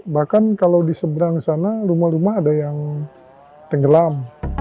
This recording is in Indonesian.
bahkan kalau di seberang sana rumah rumah ada yang tenggelam